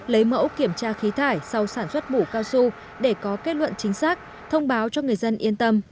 lấy mẫu kiểm tra khí thải sau sản xuất mũ cao su để có kết luận chính xác thông báo cho người dân yên tâm ổn định cuộc sống